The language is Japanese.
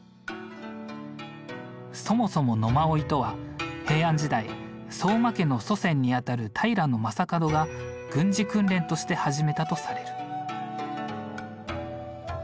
そもそも野馬追とは平安時代相馬家の祖先にあたる平将門が軍事訓練として始めたとされる。